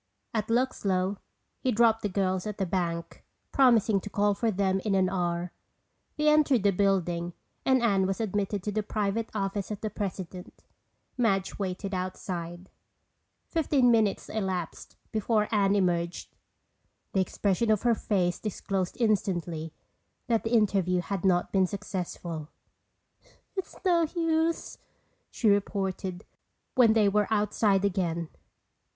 At Luxlow he dropped the girls at the bank, promising to call for them in an hour. They entered the building and Anne was admitted to the private office of the president. Madge waited outside. Fifteen minutes elapsed before Anne emerged. The expression of her face disclosed instantly that the interview had not been successful. "It's no use," she reported when they were outside again.